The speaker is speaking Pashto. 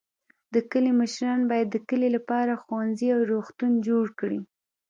د کلي مشران باید د کلي لپاره ښوونځی او روغتون جوړ کړي.